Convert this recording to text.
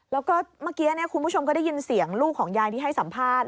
แล้วก็เมื่อกี้คุณผู้ชมก็ได้ยินเสียงลูกของยายที่ให้สัมภาษณ์